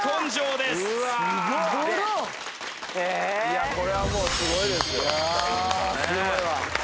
いやこれはもうすごいですよ。